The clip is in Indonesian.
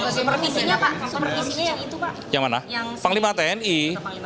supervisinya pak supervisinya yang itu pak